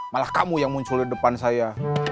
malah kamu yang muncul di depan saya